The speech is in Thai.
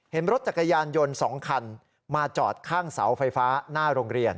เห็นรถจักรยานยนต์๒คันมาจอดข้างเสาไฟฟ้าหน้าโรงเรียน